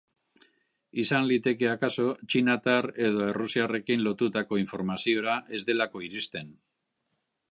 Izan liteke, akaso, txinatar edo errusiarrekin lotutako informaziora ez delako iristen.